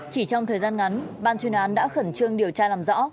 chỉ trong thời gian ngắn ban chuyên án đã khẩn trương điều tra làm rõ